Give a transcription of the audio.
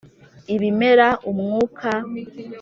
ibimera, umwuka,…